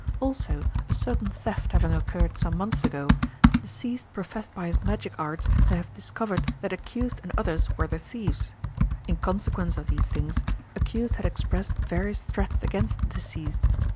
Also, a certain theft having occurred some months ago, deceased professed by his magic arts to have discovered that accused and others were the thieves. In consequence of these things, accused had expressed various threats against deceased.